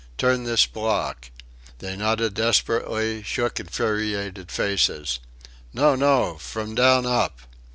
"Turn this block...." They nodded desperately; shook infuriated faces, "No! No! From down up."